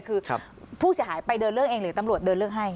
คือผู้เสียหายไปเดินเรื่องเองหรือตำรวจเดินเรื่องให้